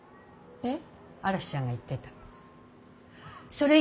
えっ？